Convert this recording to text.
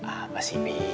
apa sih b